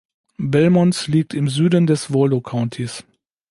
Belmont liegt im Süden des Waldo Countys.